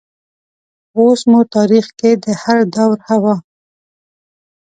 اوس مو تاریخ کې د هردور حوا